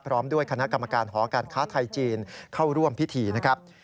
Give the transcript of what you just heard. พร้อมด้วยคณะกรรมการหอการค้าไทยจีนเข้าร่วมพิธีนะครับ